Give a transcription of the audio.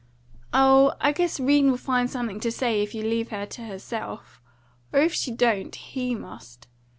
"Oh, I guess 'Rene will find something to say if you leave her to herself. Or if she don't, HE must.